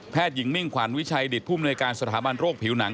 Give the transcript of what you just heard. แพทย์หญิงมิ่งขวานวิชัยดิตภูมิในการสถาบันโรคผิวหนัง